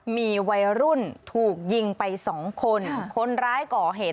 มีวัยรุ่นถูกยิงไปสองคนคนร้ายก่อเหตุ